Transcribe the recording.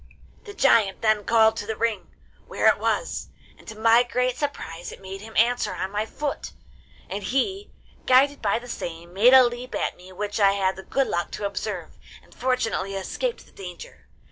'The giant then called to the ring, where it was, and to my great surprise it made him answer on my foot; and he, guided by the same, made a leap at me which I had the good luck to observe, and fortunately escaped the danger.